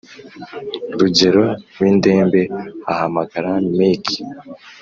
rugero windembe ahamagara mike